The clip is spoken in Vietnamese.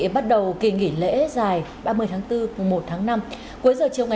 bắt đầu kỳ nghỉ lễ dài ba mươi tháng bốn một tháng năm